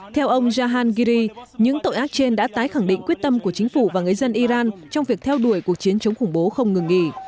theo ông jahangiri những tội ác trên đã tái khẳng định quyết tâm của chính phủ và người dân iran trong việc theo đuổi cuộc chiến chống khủng bố không ngừng nghỉ